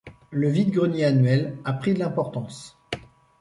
Le vide-grenier annuel a pris de l'importance.